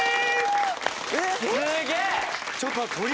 すげえ！